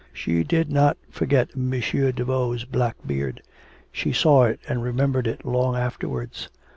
She did not forget M. Daveau's black beard; she saw it and remembered it long afterwards.